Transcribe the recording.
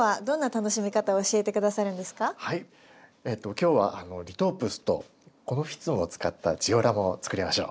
今日はリトープスとコノフィツムを使ったジオラマを作りましょう。